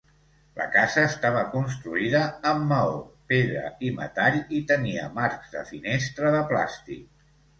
La casa estava construïda amb maó, pedra i metall, i tenia marcs de finestra de plàstic.